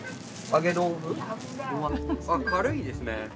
あっ軽いですね。